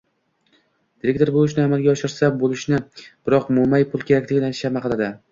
Direktor bu ishni amalga oshirsa boʻlishini, biroq moʻmay pul kerakligini shaʼma qiladi...